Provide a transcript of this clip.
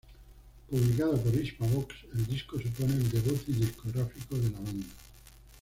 Publicado por Hispavox, el disco supone el debut discográfico de la banda.